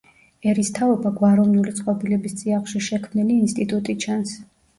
ერისთავობა გვაროვნული წყობილების წიაღში შექმნილი ინსტიტუტი ჩანს.